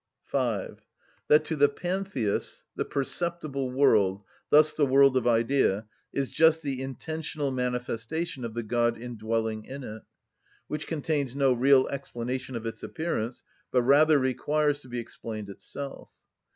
(5.) That to the Pantheists the perceptible world, thus the world of idea, is just the intentional manifestation of the God indwelling in it, which contains no real explanation of its appearance, but rather requires to be explained itself.